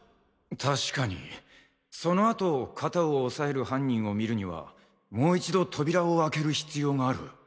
確かにそのあと肩を押さえる犯人を見るにはもう一度扉を開ける必要がある。